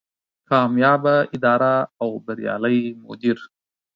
کاميابه اداره او بريالی مدير